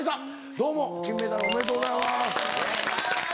どうも金メダルおめでとうございます。